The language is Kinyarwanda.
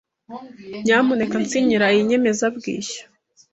Nyamuneka sinyira iyi nyemezabwishyu.